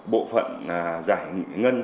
bộ phận giải ngân